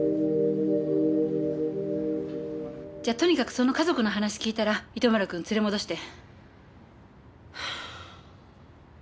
じゃあとにかくその家族の話聞いたら糸村君連れ戻して。